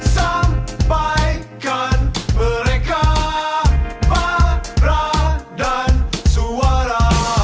sampaikan mereka dan suara